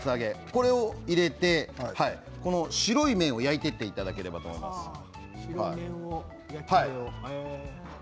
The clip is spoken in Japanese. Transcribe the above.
これを入れて白い面を焼いていっていただけますか。